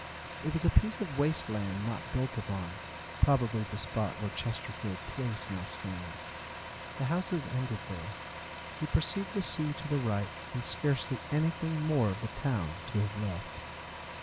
It was a piece of waste land not built upon probably the spot where Chesterfield Place now stands. The houses ended there. He perceived the sea to the right, and scarcely anything more of the town to his left.